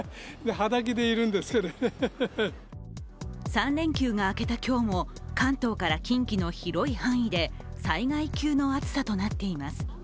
３連休が明けた今日も、関東から近畿の広い範囲で災害級の暑さとなっています。